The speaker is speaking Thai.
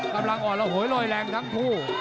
กำลังอ่อนระโหยลอยแรงทั้งคู่